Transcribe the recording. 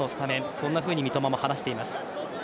そんなふうに三笘も話しています。